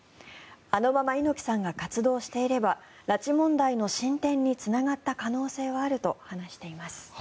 あのまま猪木さんが活動していれば拉致問題の進展につながった可能性はあると話しています。